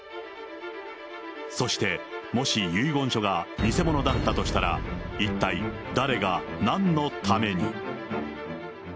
そして、もし遺言書が偽物だったとしたら、一体誰がなんのために。